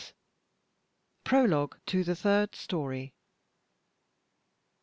PROLOGUE TO THE THIRD STORY.